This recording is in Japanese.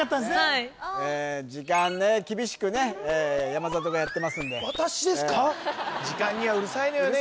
はい時間ね厳しくね山里がやってますんで時間にはうるさいのよね